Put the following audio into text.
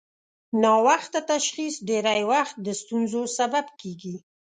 ناوخته تشخیص ډېری وخت د ستونزو سبب کېږي.